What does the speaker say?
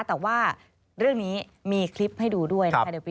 แต่ว่าเรื่องนี้มีคลิปให้ดูด้วยนะคะ